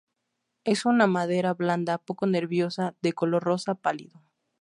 Es una madera blanda, poco nerviosa, de color rosa pálido.